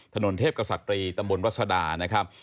ถนนเทพศ์กสตรีตรวัศดา